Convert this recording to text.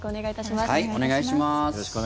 お願いいたします。